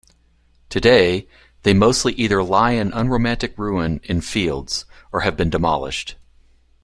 Today, they mostly either lie in unromantic ruin in fields, or have been demolished.